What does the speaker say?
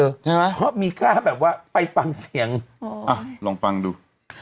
ใช่ไหมเพราะมีค่าแบบว่าไปฟังเสียงอ๋ออ่ะลองฟังดู